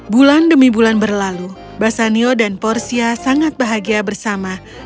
bulan demi bulan berlalu basanio dan porsia sangat bahagia bersama